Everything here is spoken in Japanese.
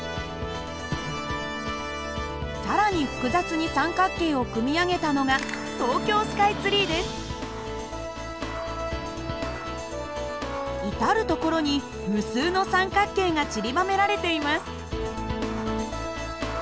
更に複雑に三角形を組み上げたのが至る所に無数の三角形がちりばめられています。